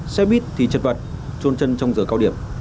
xe buýt thì chật vật trôn chân trong giờ cao điểm